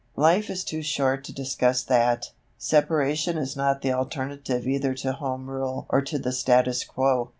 Life is too short to discuss that. Separation is not the alternative either to Home Rule or to the status quo.